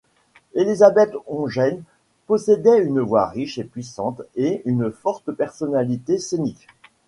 Elisabeth Höngen possédait une voix riche et puissante et une forte personnalité scènique.